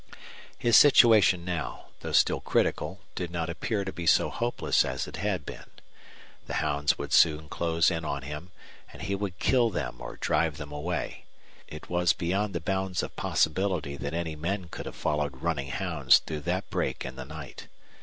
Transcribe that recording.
His situation now, though still critical, did not appear to be so hopeless as it had been. The hounds would soon close in on him, and he would kill them or drive them away. It was beyond the bounds of possibility that any men could have followed running hounds through that brake in the night.